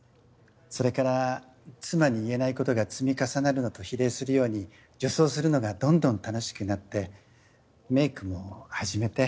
それから妻に言えないことが積み重なるのと比例するように女装するのがどんどん楽しくなってメイクも始めて。